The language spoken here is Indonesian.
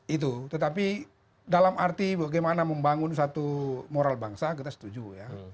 itu tetapi dalam arti bagaimana membangun satu moral bangsa kita setuju ya